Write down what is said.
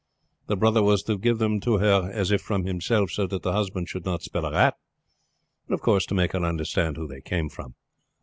The brother was to give them to her as if from himself, so that the husband should not smell a rat, but of course to make her understand who they came from."